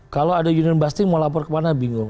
kalau ada union busting mau lapor kemana bingung